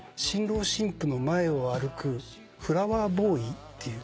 新郎新婦の前を歩くフラワーボーイって。